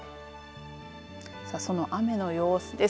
その雨の様子です。